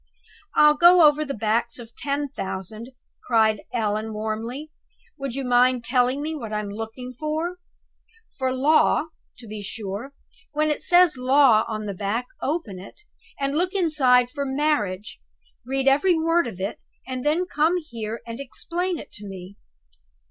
"I'll go over the backs of ten thousand!" cried Allan, warmly. "Would you mind telling me what I'm to look for?" "For 'Law,' to be sure! When it says 'Law' on the back, open it, and look inside for Marriage read every word of it and then come here and explain it to me.